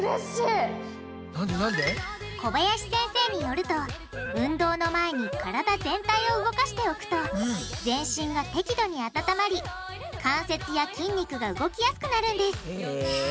小林先生によると運動の前に体全体を動かしておくと全身が適度に温まり関節や筋肉が動きやすくなるんですへぇ。